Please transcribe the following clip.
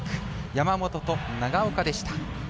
山本と長岡でした。